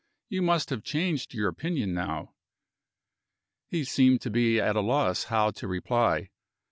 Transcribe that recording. You must have changed your opinion now." He seemed to be at a loss how to reply.